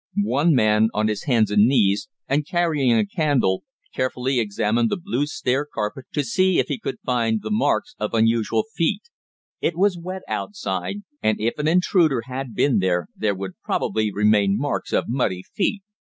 One man on his hands and knees, and carrying a candle, carefully examined the blue stair carpet to see if he could find the marks of unusual feet. It was wet outside, and if an intruder had been there, there would probably remain marks of muddy feet.